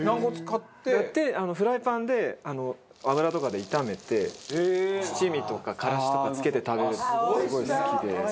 買ってフライパンで油とかで炒めて七味とかカラシとか付けて食べるのがすごい好きで。